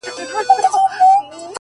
وي د غم اوږدې كوڅې په خامـوشۍ كي ـ